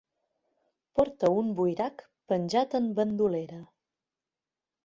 Porta un buirac penjat en bandolera.